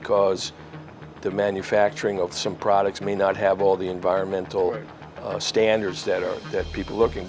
karena pembuatan produk mungkin tidak memiliki semua kembang lingkungan